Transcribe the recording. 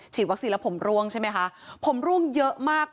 วัคซีนแล้วผมร่วงใช่ไหมคะผมร่วงเยอะมาก